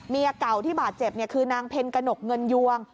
เมียเก่าที่บาดเจ็บคือนางเพ็ญกระหนกเงินยวง